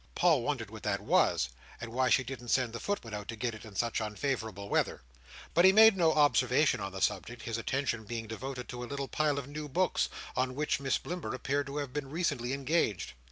Paul wondered what that was, and why she didn't send the footman out to get it in such unfavourable weather. But he made no observation on the subject: his attention being devoted to a little pile of new books, on which Miss Blimber appeared to have been recently engaged.